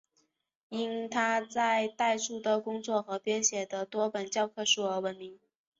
因他在代数的工作和他编写的多本教科书而闻名。